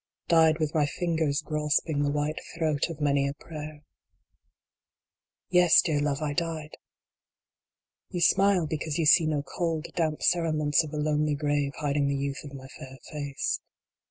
Died with my fingers grasping the white throat of many a prayer. III. Yes, dear love, I died ! You smile because you see no cold, damp cerements of a lonely grave hiding the youth of my fair face.